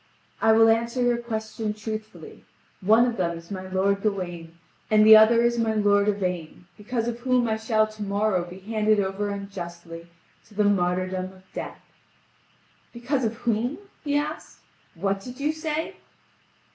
"I will answer your question truthfully: one of them is my lord Gawain, and the other is my lord Yvain, because of whom I shall to morrow be handed over unjustly to the martyrdom of death." "Because of whom?" he asked, "what did you say?"